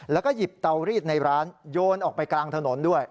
แล้วก็หยิบเตารีดในร้านโยนออกไปกลางถนนด้วย